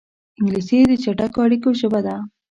انګلیسي د چټکو اړیکو ژبه ده